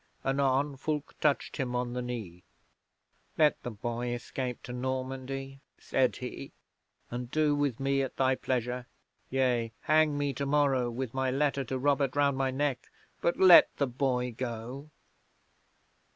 Anon, Fulke touched him on the knee. '"Let the boy escape to Normandy," said he, "and do with me at thy pleasure. Yea, hang me tomorrow, with my letter to Robert round my neck, but let the boy go."